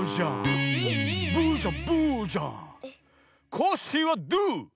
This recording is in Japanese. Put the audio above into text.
コッシーはドゥ？